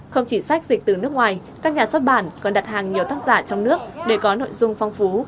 không chỉ sách dịch từ nước ngoài các nhà xuất bản còn đặt hàng nhiều tác giả trong nước để có nội dung phong phú